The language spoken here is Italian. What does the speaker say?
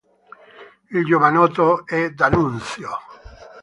Il giovanotto è d'Annunzio.